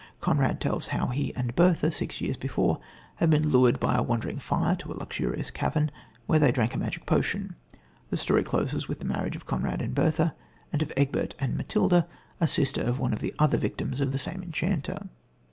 Conrad tells how he and Bertha, six years before, had been lured by a wandering fire to a luxurious cavern, where they drank a magic potion. The story closes with the marriage of Conrad and Bertha, and of Egbert and Matilda, a sister of one of the other victims of the same enchanter.